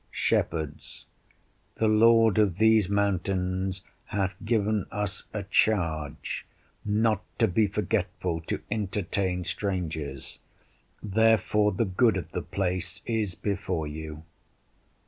Shepherds The lord of these mountains hath given us a charge "not to be forgetful to entertain strangers"; therefore the good of the place is before you.